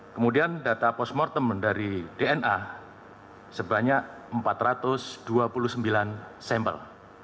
kemudian data postmortem dari dna sebanyak empat ratus dua puluh sembilan sampel